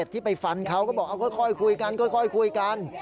ที่ไปฟันเขาก็บอกเอาค่อยคุยกันค่อยคุยกัน